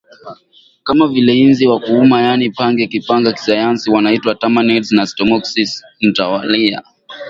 kama vile nzi wa kuuma yaani pange kipanga kisayansi wanaitwa Tabanids na Stomoxys mtawalia